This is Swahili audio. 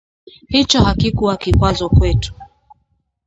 Hicho hakikuwa kikwazo kwetu